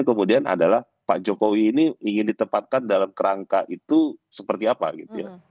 kemudian adalah pak jokowi ini ingin ditempatkan dalam kerangka itu seperti apa gitu ya